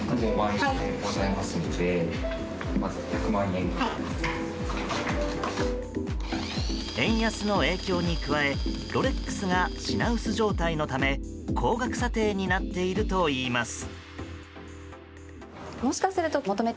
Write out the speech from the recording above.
円安の影響に加えロレックスが品薄状態のため高額査定になっているといいます。